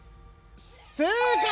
正解！